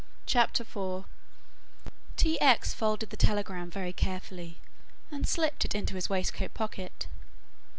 CHAPTER IV T. X. folded the telegram very carefully and slipped it into his waistcoat pocket.